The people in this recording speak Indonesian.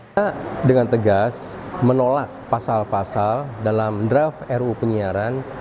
kita dengan tegas menolak pasal pasal dalam draft ruu penyiaran